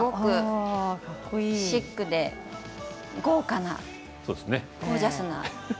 すごくシックで豪華なゴージャスな。